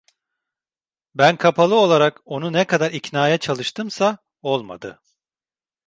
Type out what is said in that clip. Ben kapalı olarak onu ne kadar iknaya çalıştımsa olmadı.